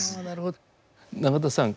永田さん